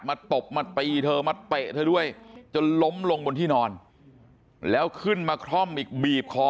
ตบมาตีเธอมาเตะเธอด้วยจนล้มลงบนที่นอนแล้วขึ้นมาคล่อมอีกบีบคอ